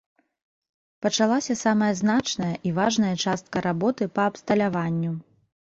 Пачалася самая значная і важная частка работы па абсталяванню.